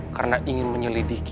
karena ingin menyelidiki